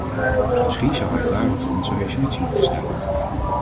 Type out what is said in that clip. Misschien zou hij daarom voor onze resolutie moeten stemmen.